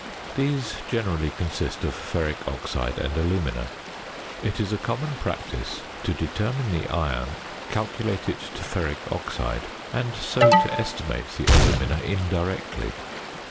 These generally consist of ferric oxide and alumina. It is a common practice to determine the iron, calculate it to ferric oxide, and so to estimate the alumina indirectly.